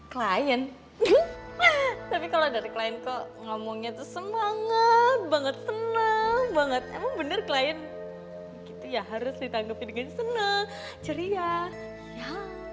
klien tapi kalau dari klien kok ngomongnya tuh semangat banget senang banget emang bener klien gitu ya harus ditanggapi dengan senang ceria ya